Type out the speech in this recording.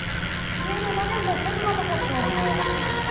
冷えるまでもうこのままほっておく。